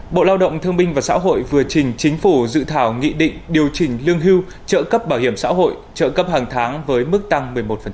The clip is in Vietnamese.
bộ lao động thương minh và xã hội vừa trình chính phủ dự thảo nghị định điều chỉnh lương hưu trợ cấp bảo hiểm xã hội trợ cấp hàng tháng với mức tăng một mươi một